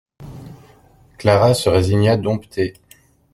Clara se résigna, domptée.